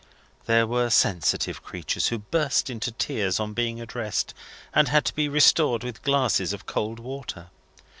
There were sensitive creatures who burst into tears on being addressed, and had to be restored with glasses of cold water.